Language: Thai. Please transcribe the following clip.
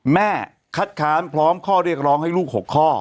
แม่คัดค้านพร้อมข้อเรียกร้องให้ลูก๖ข้อ